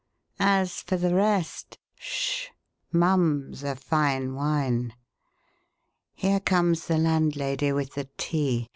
As for the rest Sh! Mumm's a fine wine. Here comes the landlady with the tea.